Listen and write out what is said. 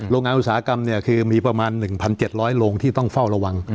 โรงงานอุตสาหกรรมเนี่ยคือมีประมาณ๑๗๐๐โรงที่ต้องเฝ้าระวัง